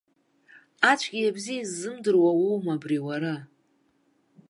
Ацәгьеи абзиеи ззымдыруа уоума абри уара?